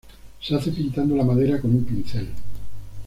Se hace pintando la madera con un pincel.